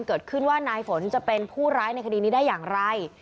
เกิดขึ้นว่านายฝนจะเป็นผู้ร้ายในคดีนี้ได้อย่างไร